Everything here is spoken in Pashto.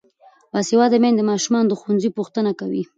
باسواده میندې د ماشومانو د ښوونځي پوښتنه کوي.